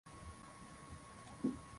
shaaza kutoa visingizio vya baadhi